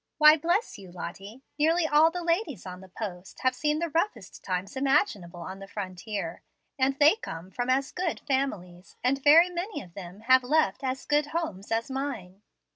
Why, bless you, Lottie, nearly all the ladies on the post have seen the roughest times imaginable on the frontier, and they come from as good families, and very many of them have left as good homes as mine."